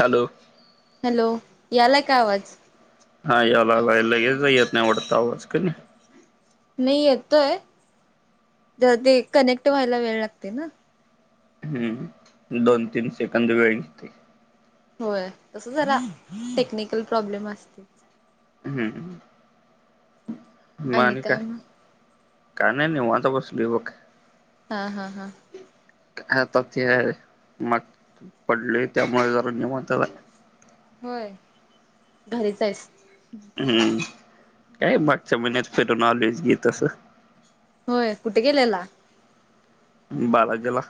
Hello hello यालाय का आवाज? हा यायला लगेच येत नाही वाटत आवाज कमी नाही येतोय जदी कनेक्ट व्हायला वेळ लागते ना हम्म दोन, तीन सेकंद वेळ निघते होय तस जरा टेक्निकल प्रॉब्लेम असते हम्म मग आणि काय का नाही नाही निवांत बसलोय बघ हा हा हां आता ते मग पडलोय त्यामुळे जर निवांत राह होय घरीच आहेच हम्म काय मागच्या महिन्यात फिरून आलोयच की तसं होय कुठे गेलेला? बालाजी ला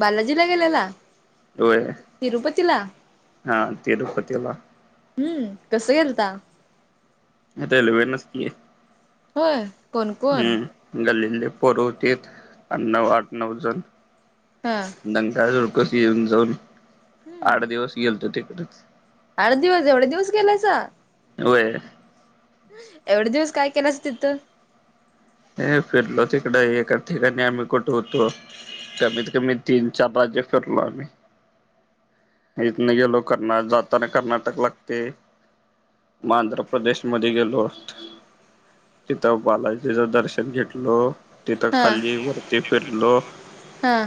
बालाजी ला गेलेला होय तिरुपती ला हा तिरुपतीला हम्म कसं गेलता रेल्वे नच की होय कोण? कोण? गल्लीतली पोर होतीत आणि नऊ आठ, नऊ जण हा दंगा धुडकूस येऊन जाऊन आठ दिवस गेलतो तो तिकडेच. आड दिवस एवढे दिवस गेलायसा होय एवढे दिवस काय केल्यास तिथं? हे फिरलो तिकड एका ठिकाणी आम्ही कुठे होतो कमीत कमी तीन चार राज्य फिरलो आम्ही इथन गेलो करणा जाताना कर्नाटक लागतय मग आंध्र प्रदेश मध्ये गेलो होत तिथं बालाजी तिचं दर्शन घेतल तिथं हा खाली वरती फिरलो हा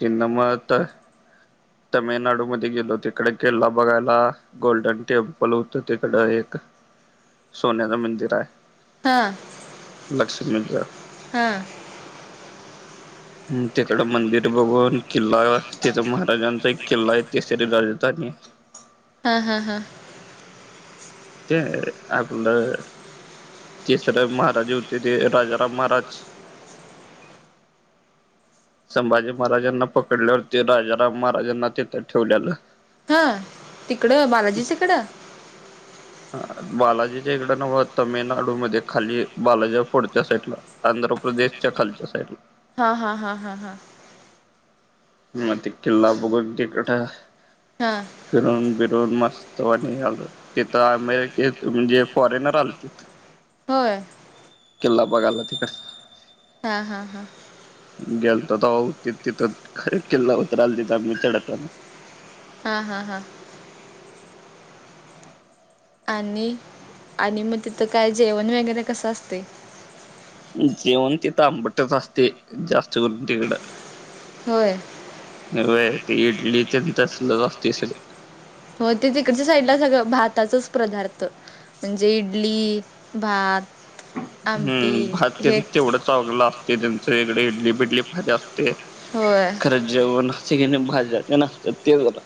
किन मळयात तर तामिळनाडूमध्ये गेलो तिकडे किल्ला बघायला गोल्डन टेंपल होत तिकड एक सोन्याचा मंदिर आहे. हा लक्ष्मीच हा तिकड मंदिर बघून किल्ला तिथ महाराजांचा एक किल्ला आहे तिसरी [unintelligible] आणि हा हा हा ते आपलं तिसर महाराज होते ते राजाराम महाराज. संभाजी महाराजांना पकडल्यावरती राजाराम महाराजांना तेिथ ठेवल्यालं हां तिकडं बालाजी तिकडं बालाजीच्या इकड नव्हं तामिळनाडू मध्ये खाली बालाजी पुढच्या साईडला. आंध्र प्रदेश च्या खालच्या साईडला हा हा हा हा हा मग किल्ला बघून तिकड हा फिरून बिरून मस्तवाणी आलो तिथ अमेरिकेत म्हणजे फॉरेनर आलते. [inaudible] होय किल्ला बघायला तिकडे हा हा हा गेलतो तवा होतीत तिथं किल्ला उतरालतीत आम्ही चढताना हा हा हा आणि आणि मग तिथं काय जेवण वगैरे कसं असते जेवण तिथ आंबटच असते जास्त करून तिकडं होय [inaudible] व्हय इडली तेन तसलच असतंय सगळं. हो ते तिकडच्या साईडला सगळं भाताचाच प्रदार्थ म्हणजे इडली भात आमटी हम्म भात त्यां हेच तेवढं चगलं असते त्यांच इकडे इडली बिडली फज असते होय. तर जेवून हस किन भाजले पण असत्यात ते बरं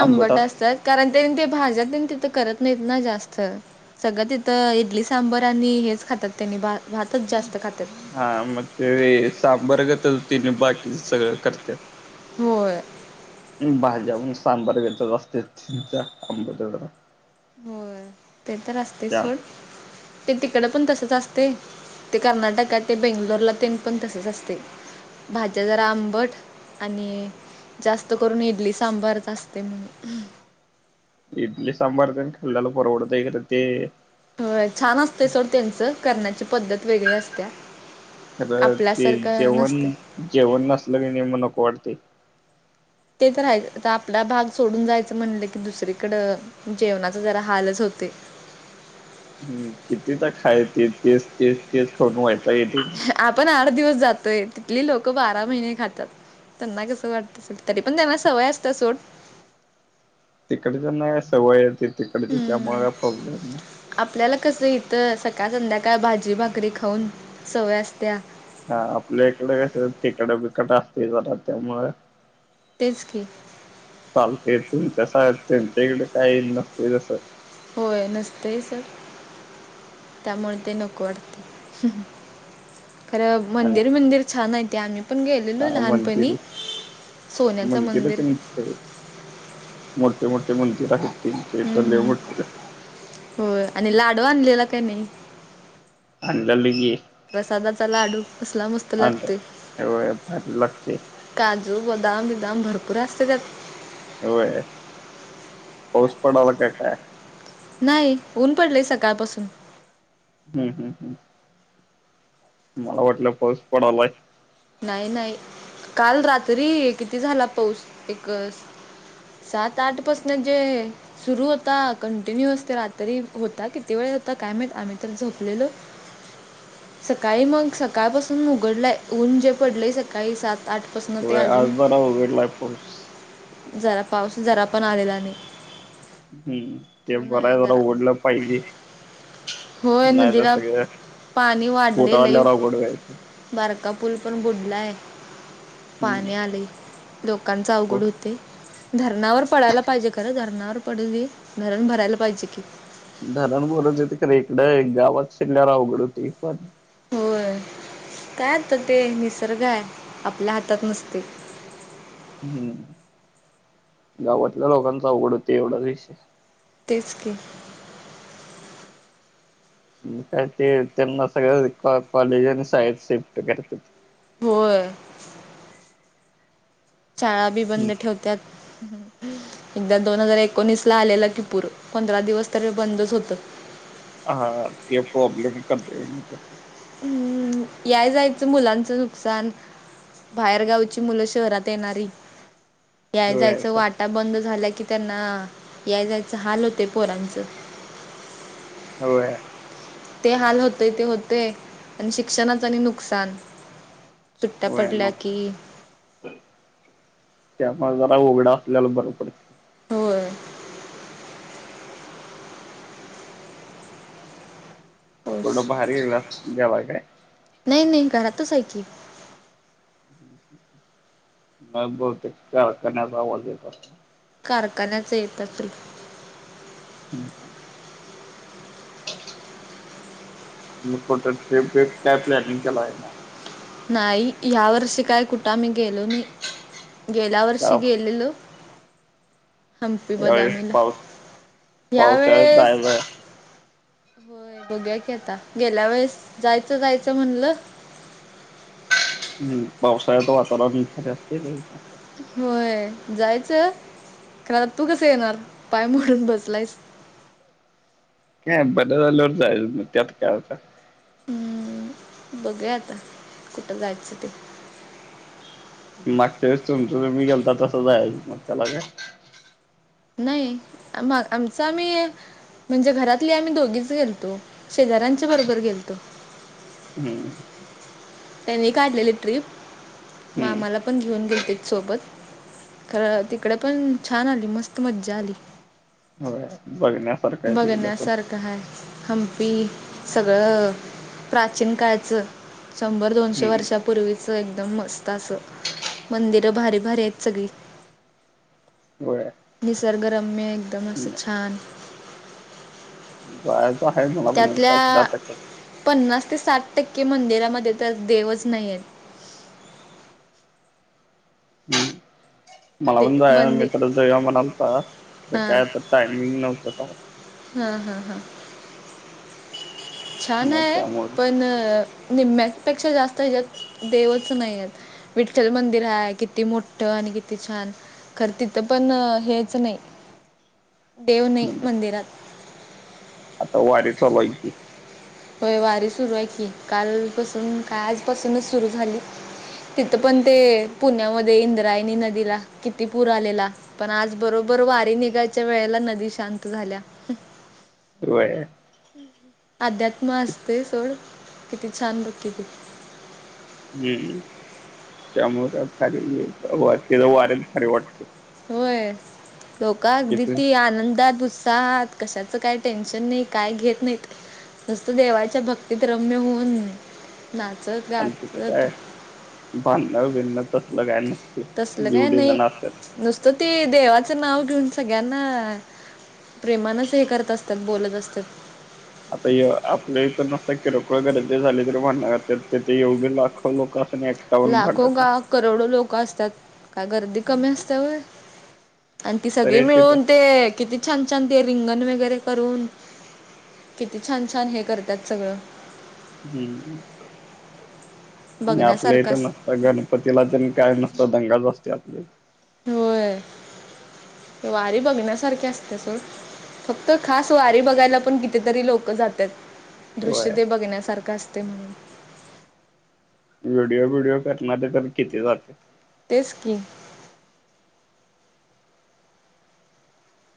आंबट असतात कारण त्यांनी ते भाज्यात त्यां तिथं करत नाहीत ना जास्त. सगळ्यात तिथं इडली सांबर आणि हेच खातात त्यांनी भातच जास्त खातात. हा मग ते सांबरगत तेनी बाकीच सगळं करत्यात. होय. अन भाज्या म्हणून सांबार घेतच असत्यात हेंच्या आंब तेवढं भा होय ते तर असतयच त्या सोड. ते तिकड पण तसच असते ते कर्नाटकात ते बेंगलोरला ते पण तसेच असते भाज्या जरा आंबट आणि जास्त करून इडली सांबारच असते म्हणे इडली सांबार तेन खालेलं परवडतय खरं ते हो छान असते सर त्यांचं करण्याची पद्धत वेगळी असत्या खरं ते आपल्यासारखं जेवण नसते जेवण नसलं की नई मग नको वाटतंय. ते तर राहायचं तर आपला भाग सोडून जायचं म्हणलं की दुसरीकडं जेवणाचा जरा हालच होतय. हम्म किती तर खाय ते तेच तेच तेच खाऊन वैताग येतंय. आपण आठ दिवस जातोय तिथली लोक बारा महिने खातात. त्यांना कसं वाटत सोड, तरी पण त्यांना सवय असतं सोड. तिकडच्याना सवय आहे ते तिकडचे त्यामुळे हम्म काय प्रॉब्लेम नाही. आपल्याला कस इथं सकाळ संध्याकाळ भाजी भाकरी खाऊन सवय असत्या. हा आपल्या इकड कसं? तिखट बिकट असतंय जला त्यामुळं तेच की चालतंय तुमच्यासार त्यांच्या इकडे काही नसतंय तसं होय नसतय तर त्यामुळे ते नको वाटते खरं आणि मंदिर मंदिर छान आहे ते आम्ही पण गेलेलो हा लहानपणी. मंदिर सोन्याचं मंदिर हाईत, मोठे मोठे मंदिर आहेत ते तर लई हम्म. मोठच हा होय आणि लाडू आणलेला काय नही आणलेलं की प्रसादाचा लाडू कसला मस्त आणलं लागतंय. होय भारी लागते काजू बदाम बिदाम भरपूर असते त्यात होय पाऊस पडाला का काय नाही ऊन पडलेय सकाळपासून हम्म हम्म हम्म. मला वाटलं पाऊस पडालाय नाही नाही काल रात्री किती झाला पाऊस, एक स सात आठ पासन जे सुरू होता कंटिन्युअस ते रात्री होता किती वेळ होता काय मात आम्ही तर झोपलेलो. [inaudible] सकाळी मग सकाळपासून उघडलंय ऊन जे पडले सकाळी सात, आठ होय आज उघडला आहे पाऊस जरा पाऊस जरा पण आलेला नाही हम्म ते ऊन बर हाय आहे जरा उघडलं पाहिजे. होय नाही तर नदीला सगळं पाणी वाढलय पोटा आहे लई आल्यावर अवघड व्हायचं. बारका पूल पण बुडलाय पाणी हम्म आले लोकांच अवघड होत धरणावर पडायला पाहिजे खरं धरणावर पडून हे धरण भरायला पाहिजे कि धरण बुदुडेत खर इकडं एक गावात शिरल्यारा उघड होती पाणी होय काय आता ते निसर्ग आहे आपल्या हातात नसतय हम्म गावातल्या लोकांच आवघड होते एवढाच विषय तेच की काय ते त्यांना सगळं कॉलेज आणि शाळेत शिफ्ट करतित होय शाळा बी हम्म बंद ठेवत्यात एकदा दोन हजार एकोणीस ला आलेला कि पूर पंधरा दिवस तरी बंदच होत हा ते प्रॉब्लेम कर तर हम्म या जायचं मुलांच नुकसान बाहेरगावची मुलं शहरात येणारी या होय जायच सर वाटा बंद झाल्या कि त्यांना याय जायचं हाल होते पोरांचं होय ते हाल होतेय ते होते आणि शिक्षणाच आणि नुकसान सुट्ट्या होय पडल्या की बग त्यामुळे जरा उघडा असल्याला बर पडत होय होस थोडं बाहेर गेला जेवाय काय नाही, नाही घरतच आहे की नाही बोल ते करण्याचा आवाज येत अस कारखान्याच येतात हम्म मग कुठं ट्रिप, बिप काय प्लॅनिंग केला आहे ना नाही या वर्षी काय कुठं आम्ही गेलो नाही गेला वर्ष का गेलेलो हंपी यावेळेस बदामीला पाऊस पावसाळ्यात यावेेळेस जायचंय. होय बघुया की आता गेल्या वेळेस जायचं, जायचं म्हणलं हम्म पावसाळ्यात वातावरण असते होय जायचं खरं तू कसं येणार पाय मोडून बसलायस का बरं झाल्यावर जायच त्यात काय होता हम्म बघूया आता कुठं जायचं ते मागच्या वेळेस तुमच तुम्ही गेला तसं जायाच त्याला काय नाही मग आमच आम्ही म्हणजे घरातली आम्ही दोघीच गेलोतो शेजाऱ्यांच्या बरोबर गेलतो हम्म त्यांनी काढलेली ट्रीप मग हम्म. आम्हाला पण घेऊन गेल ते सोबत तिकडे पण छान आली मस्त मज्जा आली होय बघन्यात बघण्यासारखं आहे हंपी सगळं प्राचीन काळचं शंभर, दोनशे हम्म. वर्षा पूर्वीचं एकदम मस्त असं मंदिर भारी, भारी आहेत सगळी होय निसर्ग रम्य एकदम असं छान जायचं हाय मला पण एकदा खर त्यातल्या आता काय पन्नास ते साठ टक्के मंदिरामध्ये तर देवच नाईयेत. अं. मला दे पण जा मी मंदिर तर ज म्हणालता कायता टायमिंग नव्हतं हा, हा, हा छान मग आहे त्यामुळे पण निम्म्यापेक्षा जास्त ह्याच्यात देवच नाही आहेत विठ्ठल मंदिर हाय किती मोठं आणि किती छान. कर तिथं पण अ हेच नाही देव नाही हम्म मंदिरात. आता वारी चालू आहे की. होय वारी सुरू आहे की कालपासून काय आजपासूनच सुरू झाली तिथं पण ते पुण्यामध्ये इंद्रायणी नदीला किती पूर आलेला. पण आज बरोबर वारी निघायच्या वेळेला नदी शांत झालिया. व्हयं. अध्यात्म असतयं सोडं किती छान बघ कि ते. हम्म त्यामुळं काय भारी तिला वार्यात भारी वाटतयं. होय लोक अगदी तिथे ती आनंदात बुस तात कशाचं काय टेन्शन नाही काय घेत नाहीत. नुसतं देवाच्या भक्तीत रम्य होऊन नाचत आणि तिथं गाचत काय भांडण बिंडण तसल काय नस तसल काय नाही नुसतं ते देवाचं नाव घेऊन सगळ्यांना प्रेमानचं हे करत असत्यात बोलत असत्यात. आता य आपल्या इथ नुसता किरकोळ गर्दी झाली तरी भांडण काढत्यात तिथं एवढी लाखो लोकं असून या लाखो गा करोडो लोक असत्यात काय गर्दी कमी असतिया वय. आणि ती सगळी तरी तिथं मिळून ते किती छान छान ते रिंगण वगैरे करून किती छान छान हे करत्यात सगळं. हम्म आणि आपल्या बघण्यासारखं इथ म अस आता गणपतीला तेन काय नुसता दंगाच असतोय आपल्या होय वारी बघण्यासारखी असतिया सोड. फक्त खास वारी बघायला पण कितीतरी लोकं जात्यात. इथं दृश्य होय ते बघण्यासारखं असतयं म्हणून. व्हिडिओ बिडिओ करणारी तर किती जात्यात. तेच की.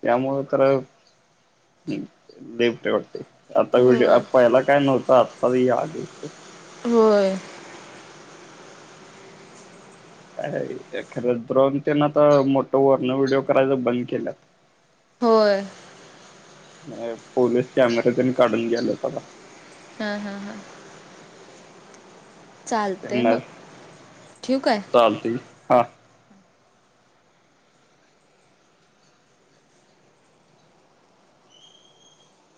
त्यामुळं तर अ बेपट्या वाटतयं. आता व्हिडिओ आ होय. पहिला काय नव्हतं आता हि आलयं खर. होय. काय खरं ड्रोन तेन आता मोठं वरन व्हिडिओ करायच बंद केल्यात. होय. नाय पोलीस कॅमेरा तेन काढून घ्यायल्यात आता. हा हा हा. गुड चालतंय मग नाईट ठेवू काय? चालतयं कि हा.